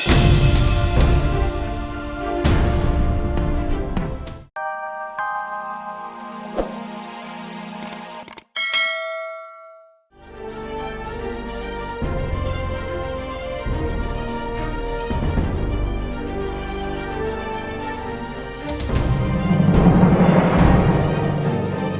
sampai kakinya lumpuh